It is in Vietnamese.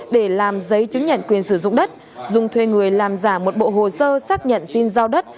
để làm giấy chứng nhận quyền sử dụng đất dung thuê người làm giả một bộ hồ sơ xác nhận xin giao đất